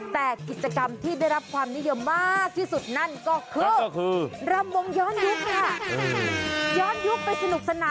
แต่กิจกรรมที่ได้รับความนิยมมากที่สุดนั่นก็คือรำวงย้อนยุคค่ะ